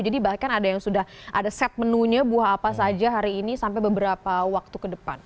jadi bahkan ada yang sudah ada set menunya buah apa saja hari ini sampai beberapa waktu ke depan